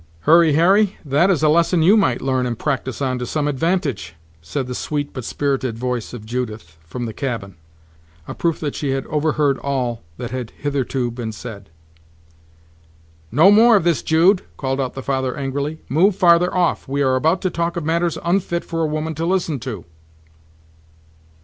"Hurry Harry, that is a lesson you might learn and practise on to some advantage," said the sweet, but spirited voice of Judith, from the cabin; a proof that she had over heard all that had hitherto been said. "No more of this, Jude," called out the father angrily. "Move farther off; we are about to talk of matters unfit for a woman to listen to."